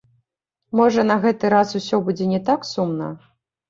Можа, на гэты раз усё будзе не так сумна?